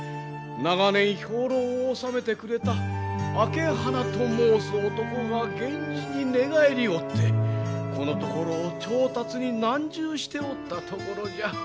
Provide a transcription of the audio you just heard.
長年兵糧を納めてくれた朱鼻と申す男が源氏に寝返りおってこのところ調達に難渋しておったところじゃ。